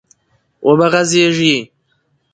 و به غځېږي،